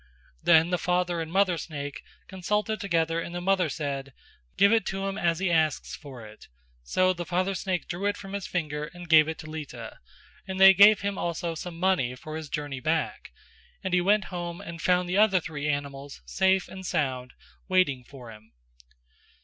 Then the father and mother snake consulted together and the mother said "Give it to him as he asks for it" so the father snake drew it from his finger and gave it to Lita and they gave him also some money for his journey back; and he went home and found the other three animals safe and sound waiting for him.